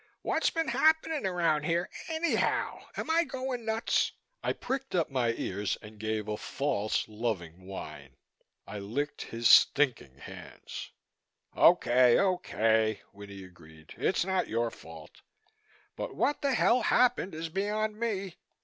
What's been happening around here, anyhow? Am I going nuts?" I pricked up my ears and gave a false, loving whine. I licked his stinking hands. "Okay, okay," Winnie agreed. "It's not your fault. But what the hell happened is beyond me.